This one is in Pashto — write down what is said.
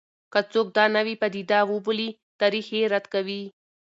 که څوک دا نوې پدیده وبولي، تاریخ یې رد کوي.